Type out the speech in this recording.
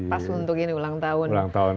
pas untuk ini ulang tahun